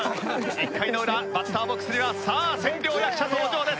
１回の裏バッターボックスにはさあ千両役者登場です。